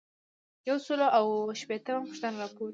یو سل او اووه شپیتمه پوښتنه راپور دی.